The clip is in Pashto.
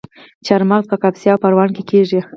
چهارمغز په کاپیسا او پروان کې کیږي.